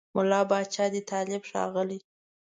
مُلا پاچا دی طالب ښاغلی